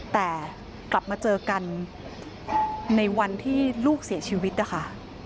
แต่กลับมาเจอกันในวันที่ลูกเสียชีวิตนะคะ